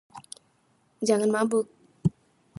Jangan mabuk!